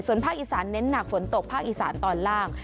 ส่วนภาคอีสานเน้นหนักฝนตกภาคอีสานตอนล่าง